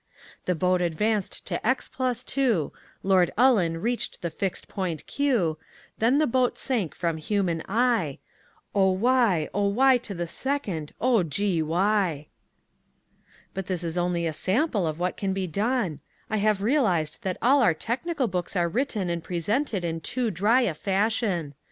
The boat advanced to X + 2, Lord Ullin reached the fixed point Q, Then the boat sank from human eye, OY, OY2, OGY. But this is only a sample of what can be done. I have realised that all our technical books are written and presented in too dry a fashion.